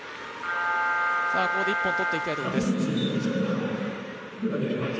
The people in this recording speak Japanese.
ここで１本取っていきたいところです。